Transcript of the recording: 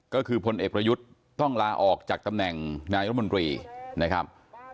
ก็คือพลเอกประยุทธ์ต้องลาออกจากตำแหน่งนายรัฐมนตรีนะครับ